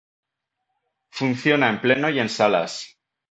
Funciona en Pleno y en Salas.